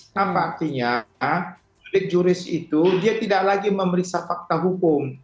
nah maksudnya judek juris itu dia tidak lagi memeriksa fakta hukum